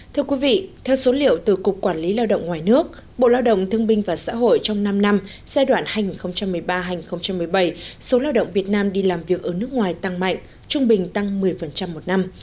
thưa quý vị theo số liệu từ cục quản lý lao động ngoài nước bộ lao động thương binh và xã hội trong năm năm giai đoạn hai nghìn một mươi ba hai nghìn một mươi bảy số lao động việt nam đi làm việc ở nước ngoài tăng mạnh trung bình tăng một mươi một năm